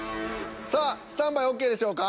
さあスタンバイＯＫでしょうか？